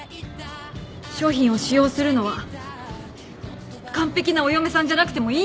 商品を使用するのは完璧なお嫁さんじゃなくてもいいんです。